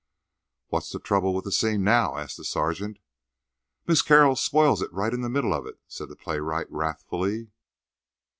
"What's the trouble with the scene now?" asked the sergeant. "Miss Carroll spoils it right in the middle of it," said the playwright wrathfully.